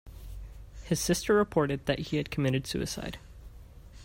His sister reported that he had committed suicide.